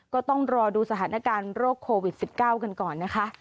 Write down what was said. ก็ต้องรอดูสถานการณ์โรคโควิด๑๙กันก่อนนะคะ